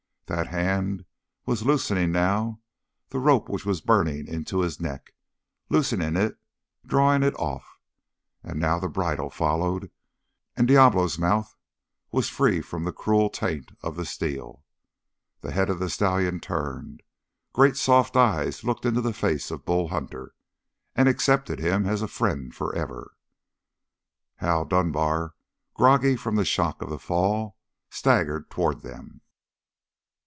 That hand was loosening now the rope which was burning into his neck loosening it, drawing it off. And now the bridle followed; and Diablo's mouth was free from the cruel taint of the steel. The head of the stallion turned great, soft eyes looked into the face of Bull Hunter and accepted him as a friend forever. Hal Dunbar, groggy from the shock of the fall, staggered toward them.